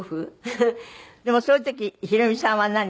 でもそういう時ヒロミさんは何？